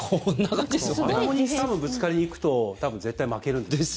そこにぶつかりに行くと多分、絶対負けるんです。